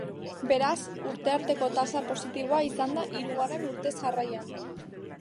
Beraz, urte arteko tasa positiboa izan da hirugarren urtez jarraian.